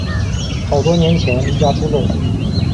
好多年前离家出走了